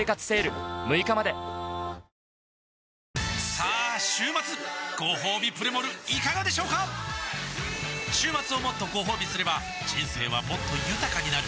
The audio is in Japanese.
さあ週末ごほうびプレモルいかがでしょうか週末をもっとごほうびすれば人生はもっと豊かになる！